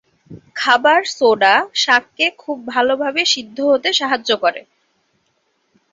খাবার সোডা শাক কে খুব ভালো ভাবে সিদ্ধ হতে সাহায্য করে।